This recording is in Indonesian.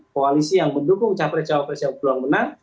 koalisi yang mendukung capres cawapres yang peluang menang